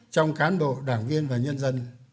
trong cán bộ đảng viên và nhân dân